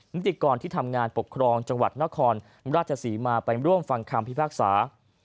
นิติกรที่ทำงานปกครองจังหวัดนครราชศรีมาไปร่วมฟังคำพิพากษา